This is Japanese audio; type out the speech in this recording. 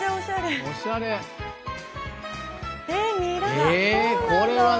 えこれは。